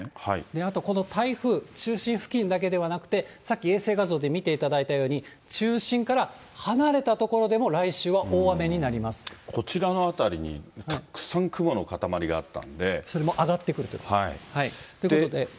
あとこの台風、中心付近だけではなくて、さっき衛星画像で見ていただいたように、中心から離れた所でも来こちらの辺りにたくさん雲のそれも上がってくるという。